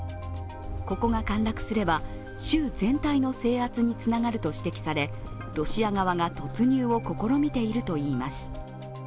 ここが陥落すれば、州全体の制圧につながると指摘されロシア側が突入を試みているといいます。